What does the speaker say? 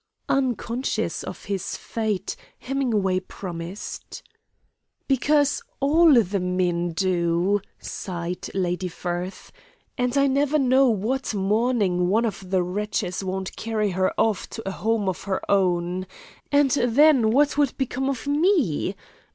Unconscious of his fate, Hemingway promised. "Because all the men do," sighed Lady Firth, "and I never know what morning one of the wretches won't carry her off to a home of her own. And then what would become of me?